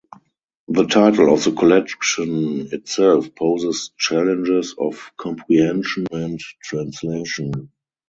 The title of the collection itself poses challenges of comprehension and translation.